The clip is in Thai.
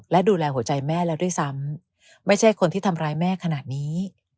และดูแลหัวใจแม่แล้วด้วยซ้ำไม่ใช่คนที่ทำร้ายแม่ขนาดนี้